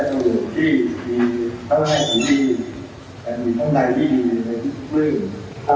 ตอนนี้คนยุคใหม่แทนเป็นสัญลักษณ์อยู่เกี่ยวกับคนรื้อไม่